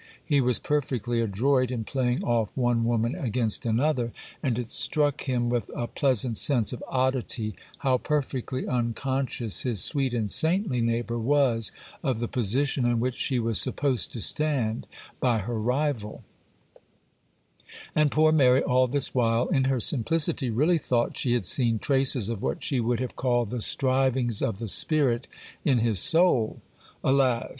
He was perfectly adroit in playing off one woman against another, and it struck him with a pleasant sense of oddity, how perfectly unconscious his sweet and saintly neighbour was of the position in which she was supposed to stand by her rival. [Illustration: Col. Burr amuses himself. Page 136. Sampson Low, Son & Co. June, 25th, 1859.] And poor Mary all this while, in her simplicity, really thought she had seen traces of what she would have called 'the strivings of the Spirit in his soul.' Alas!